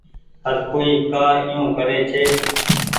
هر ڪوئي ڪآ ايو ڪري ڇي۔